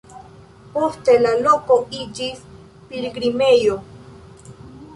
Poste la loko iĝis pilgrimejo.